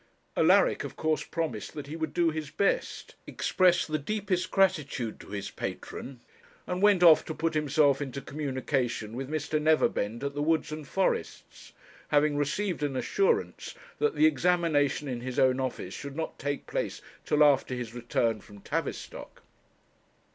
Alaric of course promised that he would do his best, expressed the deepest gratitude to his patron, and went off to put himself into communication with Mr. Neverbend at the Woods and Forests, having received an assurance that the examination in his own office should not take place till after his return from Tavistock.